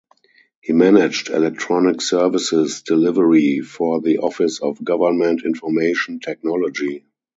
He managed Electronic Services Delivery for the Office of Government Information Technology.